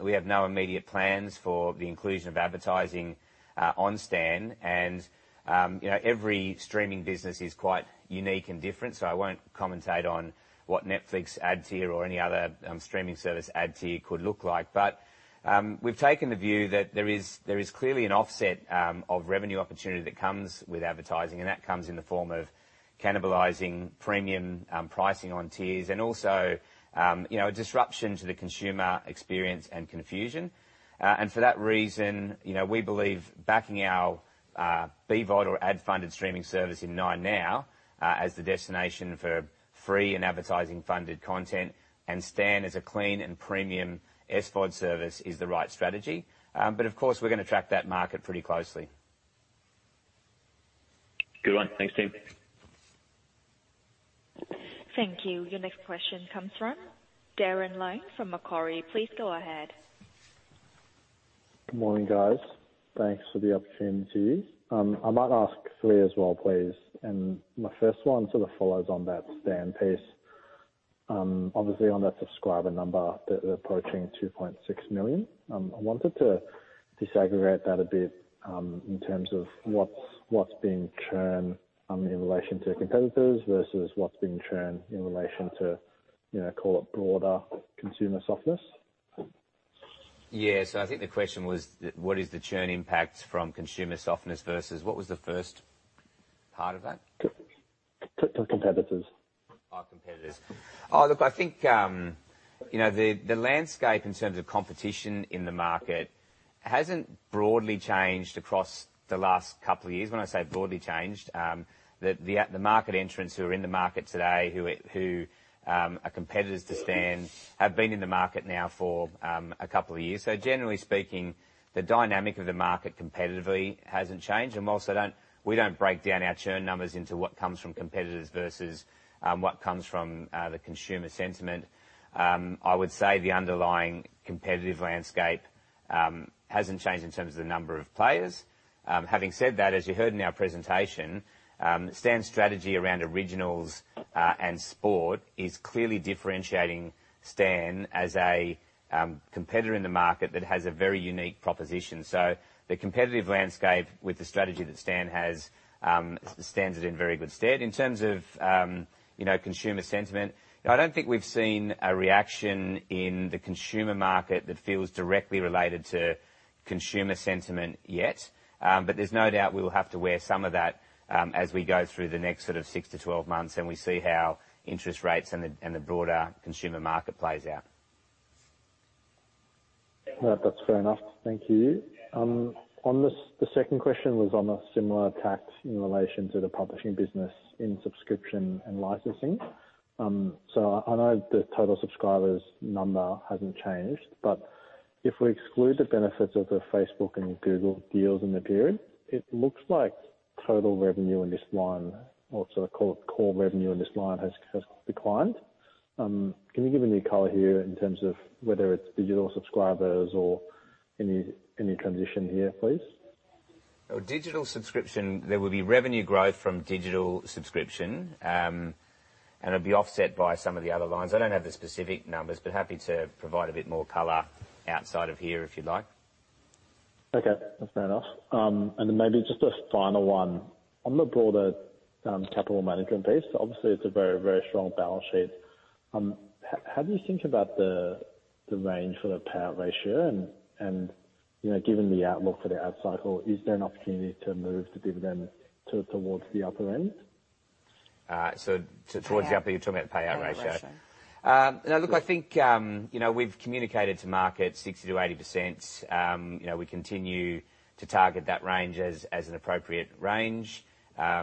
we have no immediate plans for the inclusion of advertising on Stan. You know, every streaming business is quite unique and different, so I won't commentate on what Netflix ad tier or any other streaming service ad tier could look like. We've taken the view that there is clearly an offset of revenue opportunity that comes with advertising, and that comes in the form of cannibalizing premium pricing on tiers and also, you know, a disruption to the consumer experience and confusion. For that reason, you know, we believe backing our BVOD or ad-funded streaming service in 9Now as the destination for free and advertising-funded content and Stan as a clean and premium SVOD service is the right strategy. Of course, we're gonna track that market pretty closely. Good one. Thanks, team. Thank you. Your next question comes from Darren Leung from Macquarie. Please go ahead. Good morning, guys. Thanks for the opportunity. I might ask three as well, please. My first one sort of follows on that Stan piece. Obviously on that subscriber number, they're approaching 2.6 million. I wanted to disaggregate that a bit in terms of what's being churn in relation to competitors versus what's being churned in relation to, you know, call it broader consumer softness. Yeah. I think the question was, what is the churn impact from consumer softness versus... What was the first part of that? To competitors. Competitors. Look, I think, you know, the landscape in terms of competition in the market hasn't broadly changed across the last couple of years. When I say broadly changed, the market entrants who are in the market today, who are competitors to Stan have been in the market now for a couple of years. Generally speaking, the dynamic of the market competitively hasn't changed. We also don't break down our churn numbers into what comes from competitors versus what comes from the consumer sentiment. I would say the underlying competitive landscape hasn't changed in terms of the number of players. Having said that, as you heard in our presentation, Stan's strategy around originals and sport is clearly differentiating Stan as a competitor in the market that has a very unique proposition. The competitive landscape with the strategy that Stan has stands it in very good stead. In terms of, you know, consumer sentiment, you know, I don't think we've seen a reaction in the consumer market that feels directly related to consumer sentiment yet. But there's no doubt we'll have to wear some of that as we go through the next sort of six to 12 months, and we see how interest rates and the broader consumer market plays out. No, that's fair enough. Thank you. The second question was on a similar tact in relation to the publishing business in subscription and licensing. I know the total subscribers number hasn't changed, but if we exclude the benefits of the Facebook and Google deals in the period, it looks like total revenue in this line, or sort of call it core revenue in this line, has declined. Can you give any color here in terms of whether it's digital subscribers or any transition here, please? Oh, digital subscription, there will be revenue growth from digital subscription, and it'll be offset by some of the other lines. I don't have the specific numbers, but happy to provide a bit more color outside of here, if you'd like. Okay. That's fair enough. Then maybe just a final one. On the broader capital management piece, obviously it's a very, very strong balance sheet. How do you think about the range for the payout ratio? You know, given the outlook for the ad cycle, is there an opportunity to move the dividend towards the upper end? Towards the upper, you're talking about payout ratio? Payout ratio. No, look, I think, you know, we've communicated to market 60%-80%. You know, we continue to target that range as an appropriate range. You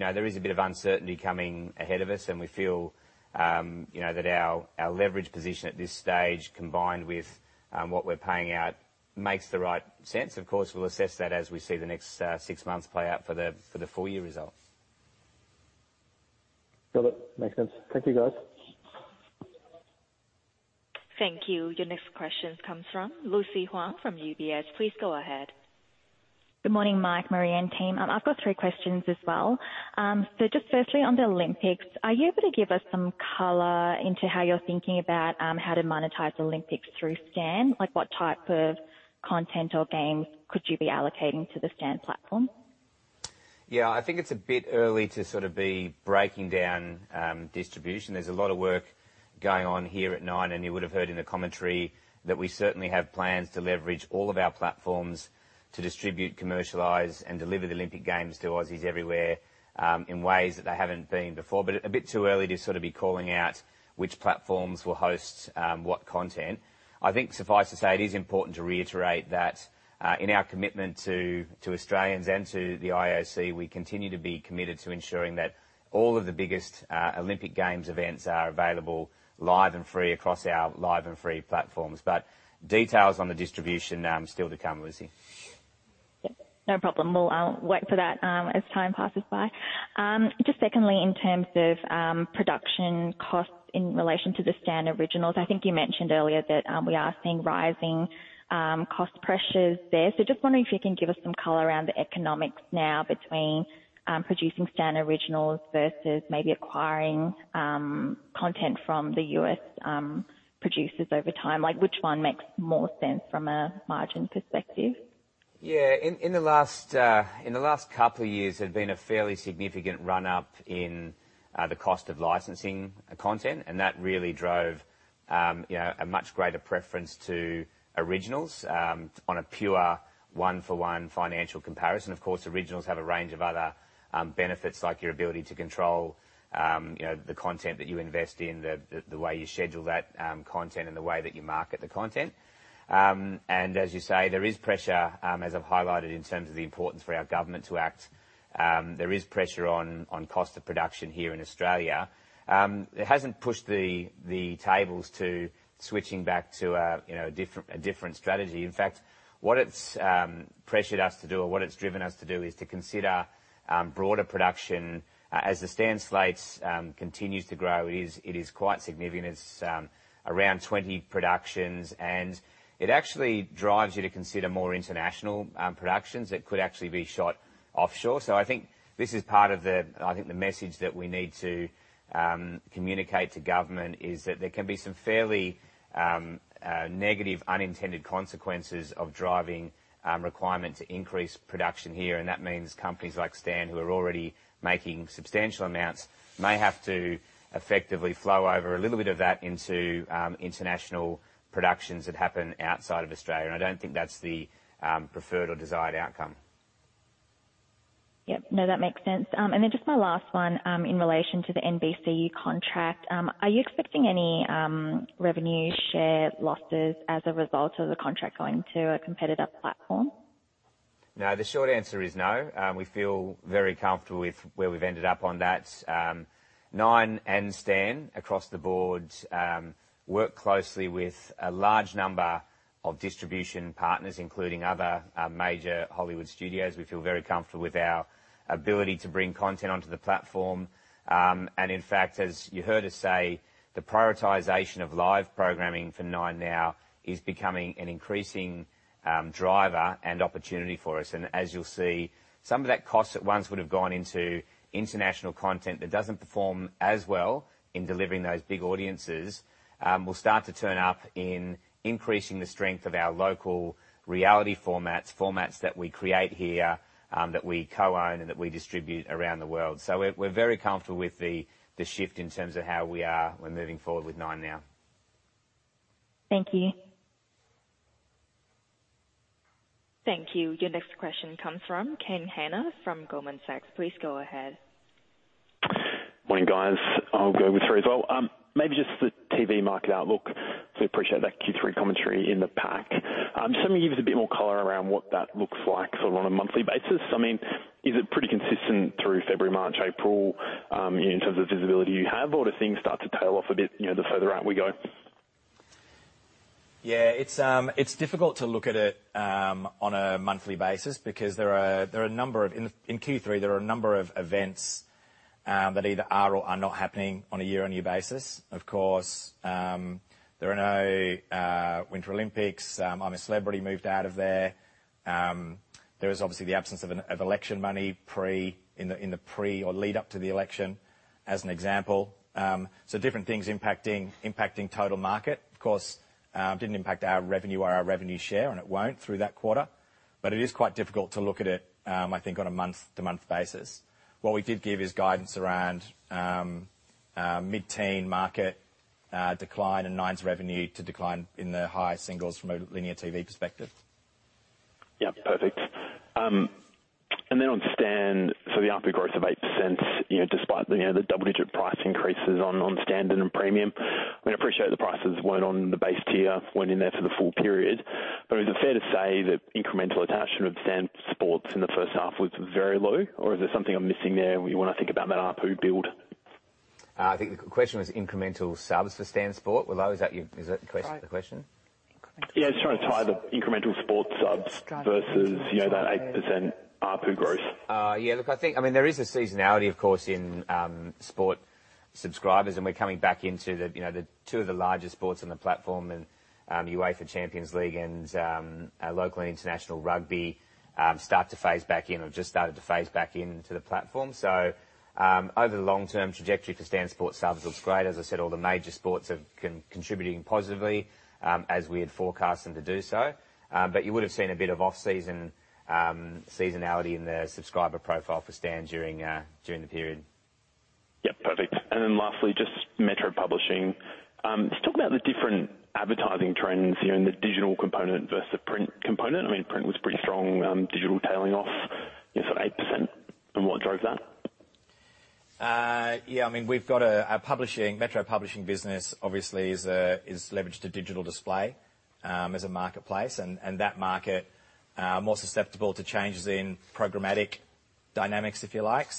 know, there is a bit of uncertainty coming ahead of us, and we feel, you know, that our leverage position at this stage, combined with, what we're paying out, makes the right sense. Of course, we'll assess that as we see the next six months play out for the full year results. Got it. Makes sense. Thank you, guys. Thank you. Your next question comes from Lucy Huang from UBS. Please go ahead. Good morning, Mike, Maria, team. I've got three questions as well. Just firstly, on the Olympics, are you able to give us some color into how you're thinking about, how to monetize Olympics through Stan? Like, what type of content or games could you be allocating to the Stan platform? Yeah. I think it's a bit early to sort of be breaking down distribution. There's a lot of work going on here at Nine. You would have heard in the commentary that we certainly have plans to leverage all of our platforms to distribute, commercialize, and deliver the Olympic Games to Aussies everywhere in ways that they haven't been before. A bit too early to sort of be calling out which platforms will host what content. I think suffice to say, it is important to reiterate that in our commitment to Australians and to the IOC, we continue to be committed to ensuring that all of the biggest Olympic Games events are available live and free across our live and free platforms. Details on the distribution still to come, Lucy. Yep. No problem. We'll wait for that as time passes by. Just secondly, in terms of production costs in relation to the Stan Originals, I think you mentioned earlier that we are seeing rising cost pressures there. Just wondering if you can give us some color around the economics now between producing Stan Originals versus maybe acquiring content from the U.S. producers over time. Like, which one makes more sense from a margin perspective? Yeah. In the last two years, there's been a fairly significant run-up in the cost of licensing content, that really drove, you know, a much greater preference to originals on a pure one-for-one financial comparison. Of course, originals have a range of other benefits like your ability to control, you know, the content that you invest in, the way you schedule that content and the way that you market the content. As you say, there is pressure, as I've highlighted in terms of the importance for our government to act. There is pressure on cost of production here in Australia. It hasn't pushed the tables to switching back to a, you know, a different strategy. In fact, what it's pressured us to do, or what it's driven us to do, is to consider broader production. As the Stan slates continues to grow, it is quite significant. It's around 20 productions, and it actually drives you to consider more international productions that could actually be shot offshore. I think this is part of the... I think the message that we need to communicate to government is that there can be some fairly negative unintended consequences of driving requirement to increase production here. That means companies like Stan, who are already making substantial amounts, may have to effectively flow over a little bit of that into international productions that happen outside of Australia. I don't think that's the preferred or desired outcome. Yep. No, that makes sense. Just my last one, in relation to the NBCUniversal contract. Are you expecting any revenue share losses as a result of the contract going to a competitor platform? No, the short answer is no. We feel very comfortable with where we've ended up on that. Nine and Stan across the board, work closely with a large number of distribution partners, including other, major Hollywood studios. We feel very comfortable with our ability to bring content onto the platform. In fact, as you heard us say, the prioritization of live programming for 9Now is becoming an increasing driver and opportunity for us. As you'll see, some of that cost that once would have gone into international content that doesn't perform as well in delivering those big audiences, will start to turn up in increasing the strength of our local reality formats. Formats that we create here, that we co-own and that we distribute around the world. We're very comfortable with the shift in terms of how we are. We're moving forward with Nine now. Thank you. Thank you. Your next question comes from Kane Hannan from Goldman Sachs. Please go ahead. Morning, guys. I'll go with three as well. Maybe just the TV market outlook. We appreciate that Q3 commentary in the pack. Just wondering if you could give us a bit more color around what that looks like sort of on a monthly basis. I mean, is it pretty consistent through February, March, April, in terms of visibility you have, or do things start to tail off a bit, you know, the further out we go? It's difficult to look at it on a monthly basis because there are a number of events in Q3 that either are or are not happening on a year-on-year basis. Of course, there are no Winter Olympics. I'm a Celebrity moved out of there. There is obviously the absence of election money pre or lead up to the election, as an example. Different things impacting total market. Of course, didn't impact our revenue or our revenue share, and it won't through that quarter, but it is quite difficult to look at it, I think on a month-to-month basis. What we did give is guidance around a mid-teen market decline and Nine's revenue to decline in the high singles from a linear TV perspective. Yeah, perfect. On Stan, the ARPU growth of 8%, you know, despite the, you know, the double-digit price increases on Stan and in Premium. I mean, I appreciate the prices weren't on the base tier, weren't in there for the full period, but is it fair to say that incremental attachment of Stan Sport in the first half was very low, or is there something I'm missing there when we wanna think about that ARPU build? I think the question was incremental subs for Stan Sport. Willow, is that the question? Incremental subs. Yeah, just trying to tie the incremental sports subs versus, you know, that 8% ARPU growth. Yeah, look, I think I mean, there is a seasonality of course, in sport subscribers, and we're coming back into the, you know, the two of the largest sports on the platform and UEFA Champions League and local and international rugby start to phase back in or just started to phase back into the platform. Over the long term, trajectory for Stan Sport subs looks great. As I said, all the major sports are contributing positively, as we had forecast them to do so. You would've seen a bit of off-season seasonality in the subscriber profile for Stan during the period. Yep, perfect. Then lastly, just Metro Publishing. Just talk about the different advertising trends, you know, in the digital component versus the print component. I mean, print was pretty strong, digital tailing off, you know, sort of 8%. What drove that? I mean, we've got a publishing metro publishing business obviously is a, is leveraged to digital display as a marketplace. That market more susceptible to changes in programmatic dynamics if you like.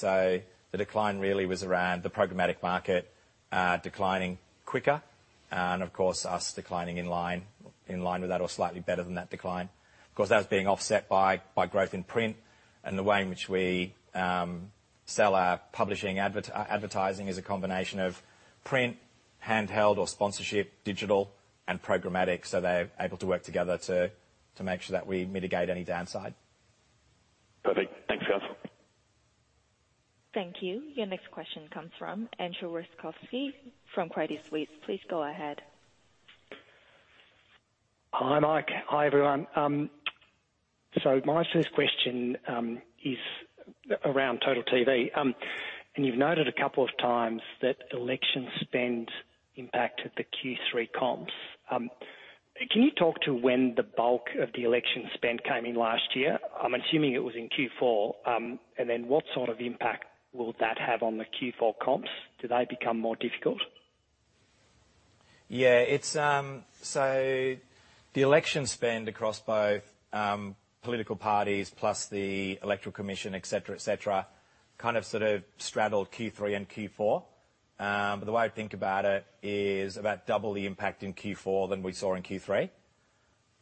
The decline really was around the programmatic market declining quicker and of course, us declining in line with that or slightly better than that decline. Of course, that was being offset by growth in print. The way in which we sell our publishing advertising is a combination of print, handheld or sponsorship, digital and programmatic, so they're able to work together to make sure that we mitigate any downside. Perfect. Thanks, guys. Thank you. Your next question comes from Andrew Wierzbicki from Credit Suisse. Please go ahead. Hi, Mike. Hi, everyone. My first question is around total TV. You've noted a couple of times that election spend impacted the Q3 comps. Can you talk to when the bulk of the election spend came in last year? I'm assuming it was in Q4. What sort of impact will that have on the Q4 comps? Do they become more difficult? Yeah. It's. The election spend across both political parties plus the Electoral Commission, et cetera, et cetera, kind of, sort of straddled Q3 and Q4. The way I think about it is about double the impact in Q4 than we saw in Q3.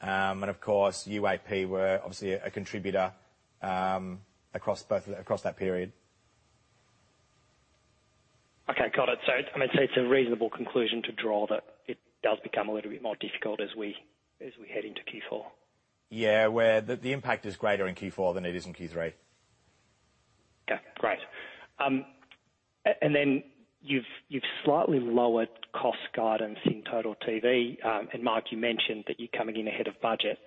Of course, UAP were obviously a contributor across that period. Okay, got it. I mean, so it's a reasonable conclusion to draw that it does become a little bit more difficult as we head into Q4? Yeah. Where the impact is greater in Q4 than it is in Q3. Okay, great. You've slightly lowered cost guidance in Total TV. Mark, you mentioned that you're coming in ahead of budget.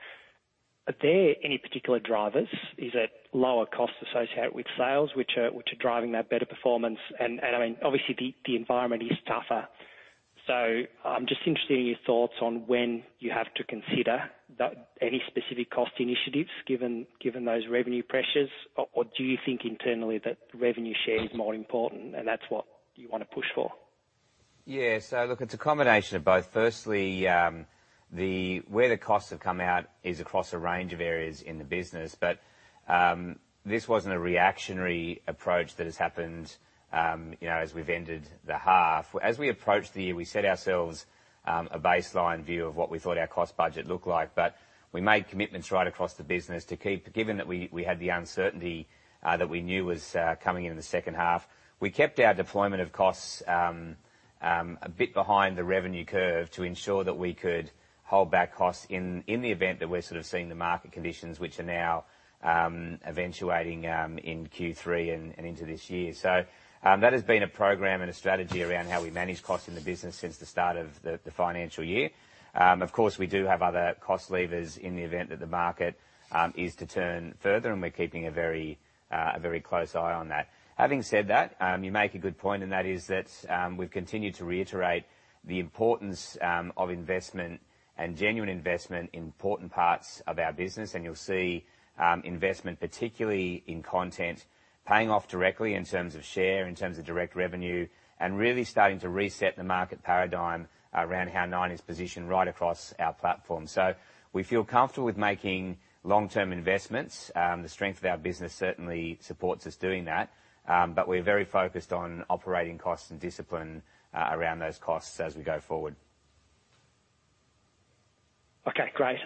Are there any particular drivers? Is it lower costs associated with sales which are driving that better performance? I mean, obviously the environment is tougher. I'm just interested in your thoughts on when you have to consider the any specific cost initiatives given those revenue pressures. Do you think internally that revenue share is more important, and that's what you wanna push for? Yeah. Look, it's a combination of both. Firstly, where the costs have come out is across a range of areas in the business. This wasn't a reactionary approach that has happened, you know, as we've ended the half. As we approached the year, we set ourselves a baseline view of what we thought our cost budget looked like. We made commitments right across the business. Given that we had the uncertainty that we knew was coming in the second half, we kept our deployment of costs a bit behind the revenue curve to ensure that we could hold back costs in the event that we're sort of seeing the market conditions which are now eventuating in Q3 and into this year. That has been a program and a strategy around how we manage costs in the business since the start of the financial year. Of course, we do have other cost levers in the event that the market is to turn further, and we're keeping a very close eye on that. Having said that, you make a good point, and that is that we've continued to reiterate the importance of investment and genuine investment in important parts of our business. You'll see investment, particularly in content, paying off directly in terms of share, in terms of direct revenue, and really starting to reset the market paradigm around how Nine is positioned right across our platform. We feel comfortable with making long-term investments. The strength of our business certainly supports us doing that. We're very focused on operating costs and discipline around those costs as we go forward. Okay, great.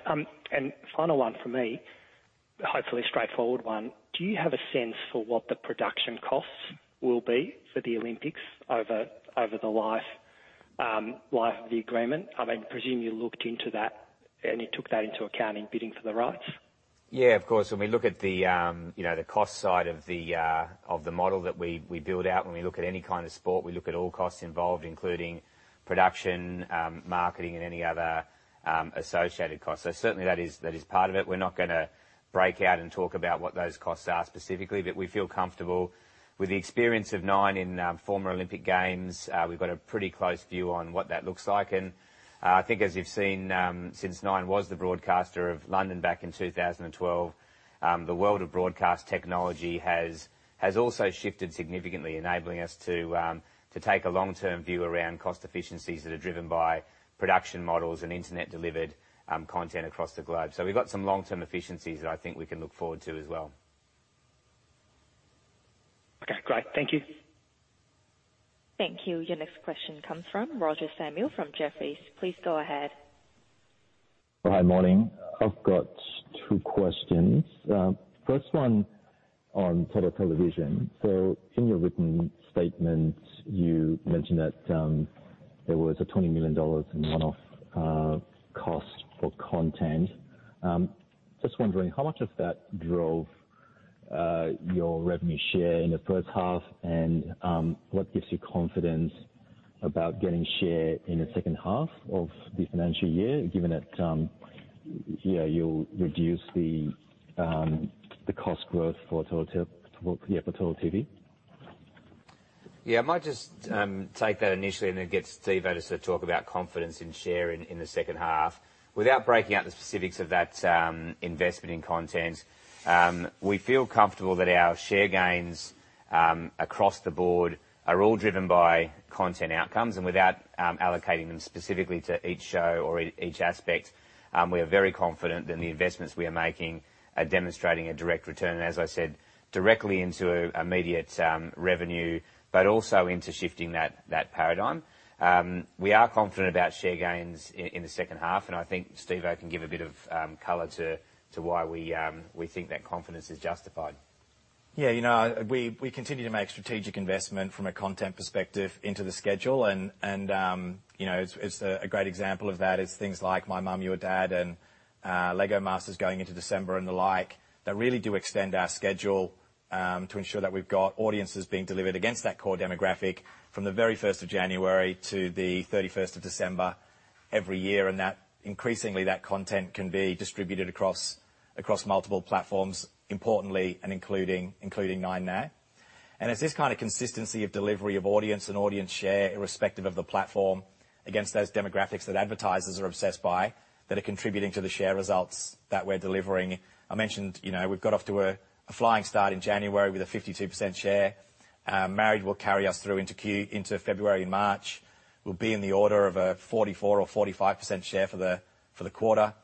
Final one from me, hopefully a straightforward one. Do you have a sense for what the production costs will be for the Olympics over the life of the agreement? I mean, I presume you looked into that, and you took that into account in bidding for the rights. Of course. When we look at the, you know, the cost side of the model that we build out, when we look at any kind of sport, we look at all costs involved, including production, marketing and any other associated costs. Certainly that is, that is part of it. We're not gonna break out and talk about what those costs are specifically, but we feel comfortable. With the experience of Nine in former Olympic Games, we've got a pretty close view on what that looks like. I think as you've seen, since Nine was the broadcaster of London back in 2012, the world of broadcast technology has also shifted significantly, enabling us to take a long-term view around cost efficiencies that are driven by production models and internet-delivered content across the globe. We've got some long-term efficiencies that I think we can look forward to as well. Okay, great. Thank you. Thank you. Your next question comes from Roger Samuel, from Jefferies. Please go ahead. Hi. Morning. I've got two questions. First one on total television. In your written statement, you mentioned that there was a 20 million dollars in one-off cost for content. Just wondering how much of that drove your revenue share in the first half, and what gives you confidence about getting share in the nd half of the financial year, given that, you know, you'll reduce the cost growth for total TV? Yeah. I might just take that initially and then get Steve-O to sort of talk about confidence in share in the second half. Without breaking out the specifics of that investment in content, we feel comfortable that our share gains across the board are all driven by content outcomes. Without allocating them specifically to each show or each aspect, we are very confident that the investments we are making are demonstrating a direct return, as I said, directly into immediate revenue, but also into shifting that paradigm. We are confident about share gains in the second half, and I think Steve-O can give a bit of color to why we think that confidence is justified. Yeah. You know, we continue to make strategic investment from a content perspective into the schedule, and, you know, it's a great example of that is things like My Mum, Your Dad and Lego Masters going into December and the like, that really do extend our schedule to ensure that we've got audiences being delivered against that core demographic from the very 1st of January to the 31st of December every year. That increasingly that content can be distributed across multiple platforms, importantly, and including Nine now. It's this kind of consistency of delivery of audience and audience share, irrespective of the platform, against those demographics that advertisers are obsessed by, that are contributing to the share results that we're delivering. I mentioned, you know, we've got off to a flying start in January with a 52% share. Married will carry us through into Q into February and March. We'll be in the order of a 44% or 45% share for the quarter.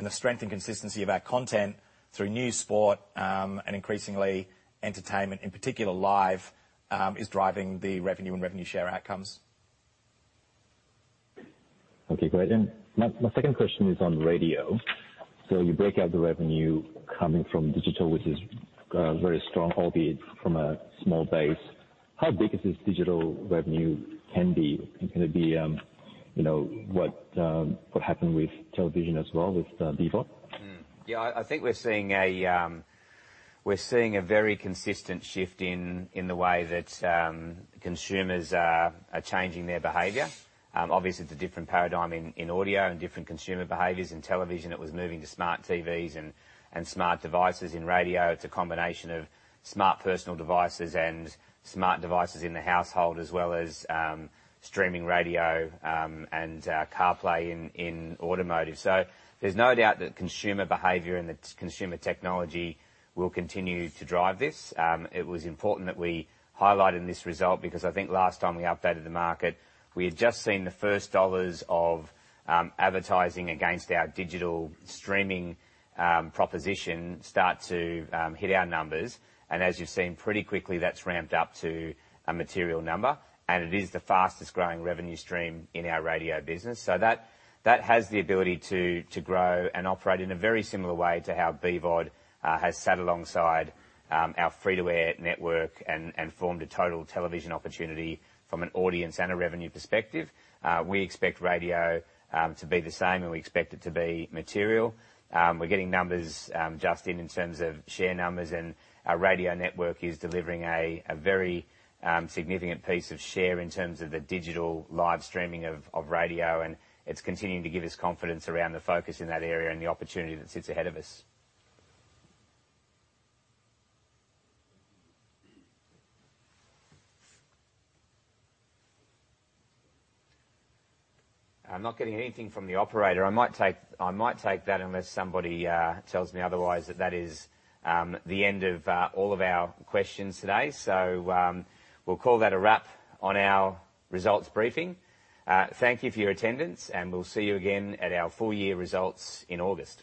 The strength and consistency of our content through new sport, and increasingly entertainment, in particular live, is driving the revenue and revenue share outcomes. Okay, great. My second question is on radio. You break out the revenue coming from digital, which is very strong, albeit from a small base. How big is this digital revenue can be? Can it be, you know, what happened with television as well with BVOD? Yeah, I think we're seeing a very consistent shift in the way that consumers are changing their behavior. Obviously it's a different paradigm in audio and different consumer behaviors. In television, it was moving to smart TVs and smart devices. In radio, it's a combination of smart personal devices and smart devices in the household, as well as streaming radio and CarPlay in automotive. There's no doubt that consumer behavior and the consumer technology will continue to drive this. It was important that we highlighted in this result because I think last time we updated the market, we had just seen the first dollars of advertising against our digital streaming proposition start to hit our numbers. As you've seen, pretty quickly that's ramped up to a material number, and it is the fastest-growing revenue stream in our radio business. That has the ability to grow and operate in a very similar way to how BVOD has sat alongside our free-to-air network and formed a total television opportunity from an audience and a revenue perspective. We expect radio to be the same, and we expect it to be material. We're getting numbers just in terms of share numbers, and our radio network is delivering a very significant piece of share in terms of the digital live streaming of radio. It's continuing to give us confidence around the focus in that area and the opportunity that sits ahead of us. I'm not getting anything from the operator. I might take that unless somebody tells me otherwise that that is the end of all of our questions today. We'll call that a wrap on our results briefing. Thank you for your attendance, and we'll see you again at our full year results in August.